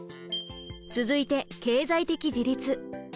続いて経済的自立。